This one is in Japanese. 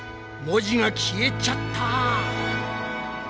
文字が消えちゃった！